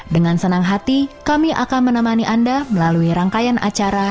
dengan senang hati kami akan menemani anda melalui rangkaian acara